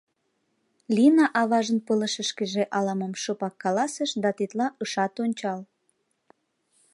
Лина аважын пылышышкыже ала-мом шыпак каласыш да тетла ышат ончал.